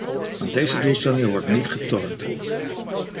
Aan deze doelstellingen wordt niet getornd.